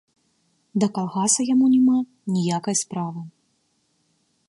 Да калгаса яму няма ніякай справы.